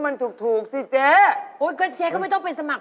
ใช่ตอนแรกเขาจะกิน